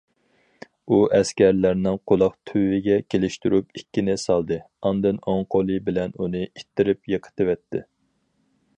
ئۇ ئەسكەرنىڭ قۇلاق تۈۋىگە كېلىشتۈرۈپ ئىككىنى سالدى، ئاندىن ئوڭ قولى بىلەن ئۇنى ئىتتىرىپ يىقىتىۋەتتى.